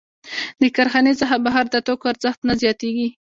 د کارخانې څخه بهر د توکو ارزښت نه زیاتېږي